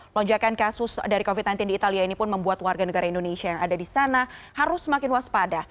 lonjakan kasus dari covid sembilan belas di italia ini pun membuat warga negara indonesia yang ada di sana harus semakin waspada